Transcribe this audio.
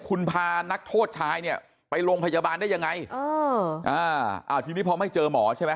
คุณพานักโทษชายเนี่ยไปโรงพยาบาลได้ยังไงเอออ่าอ่าทีนี้พอไม่เจอหมอใช่ไหม